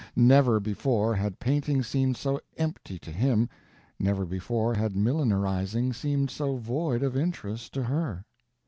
Never before had painting seemed so empty to him, never before had millinerizing seemed so void of interest to her.